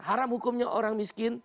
haram hukumnya orang miskin